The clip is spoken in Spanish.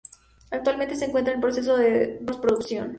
Actualmente se encuentra en proceso de posproducción.